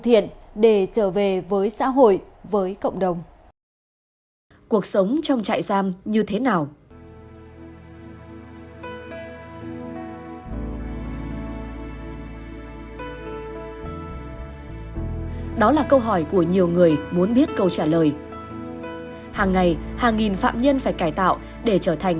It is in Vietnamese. hiện đang là trại giam phố sơn bốn